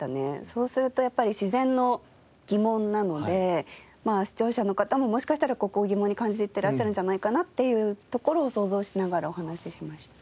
そうするとやっぱり自然の疑問なので視聴者の方ももしかしたらここを疑問に感じてらっしゃるんじゃないかなっていうところを想像しながらお話ししました。